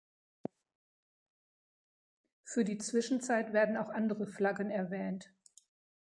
Für die Zwischenzeit werden auch andere Flaggen erwähnt.